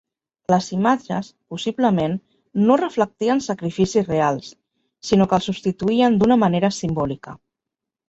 Les imatges, possiblement, no reflectien sacrificis reals, sinó que els substituïen d'una manera simbòlica.